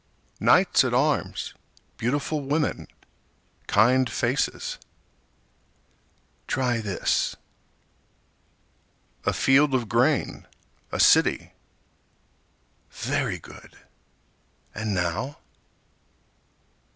Knights at arms, beautiful women, kind faces. Try this. A field of grain—a city. Very good! And now?